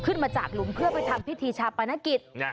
ขึ้นมาจากหลุมเพื่อไปทำพิธีชาปนกิจ